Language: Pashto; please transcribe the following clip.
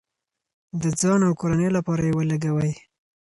د ځان او کورنۍ لپاره یې ولګوئ.